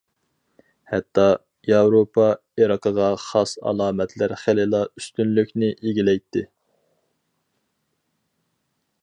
ھەتتا، ياۋروپا ئىرقىغا خاس ئالامەتلەر خېلىلا ئۈستۈنلۈكنى ئىگىلەيتتى.